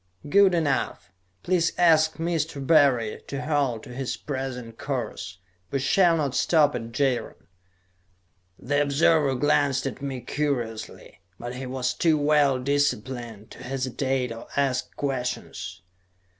"Good enough. Please ask Mr. Barry to hold to his present course. We shall not stop at Jaron." The observer glanced at me curiously, but he was too well disciplined to hesitate or ask questions.